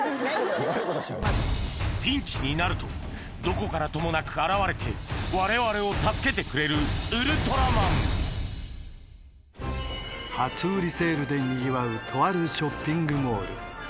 ピンチになるとどこからともなく現れてわれわれを助けてくれるウルトラマン初売りセールでにぎわうとあるショッピングモール